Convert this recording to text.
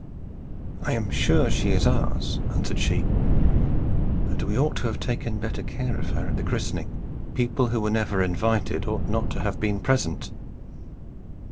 "I am sure she is ours," answered she. "But we ought to have taken better care of her at the christening. People who were never invited ought not to have been present."